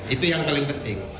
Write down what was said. itu yang paling penting